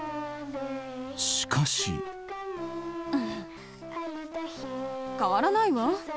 しかしうん変わらないわ